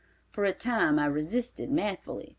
For a time I resisted manfully.